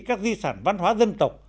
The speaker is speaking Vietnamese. các di sản văn hóa dân tộc